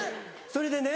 それでね。